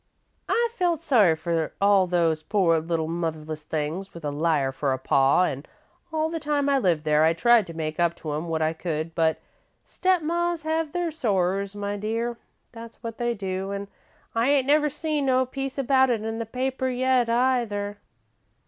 "I felt sorry for all those poor little motherless things, with a liar for a pa, an' all the time I lived there, I tried to make up to 'em what I could, but step mas have their sorrers, my dear, that's what they do, an' I ain't never seen no piece about it in the paper yet, either.